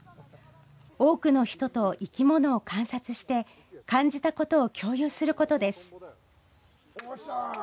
多くの人と生き物を観察して感じたことを共有することです。